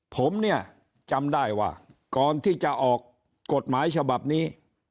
ผมเนี่ยจำได้ว่าก่อนที่จะออกกฎหมายฉบับนี้